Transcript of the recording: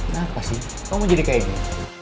kenapa sih kamu mau jadi kayak ini